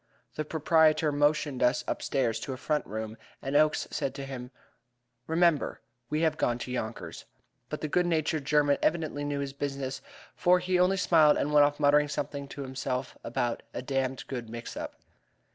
The proprietor motioned us upstairs to a front room, and Oakes said to him: "Remember, we have gone to Yonkers." But the good natured German evidently knew his business, for he only smiled and went off muttering something to himself about a "damned good mix up."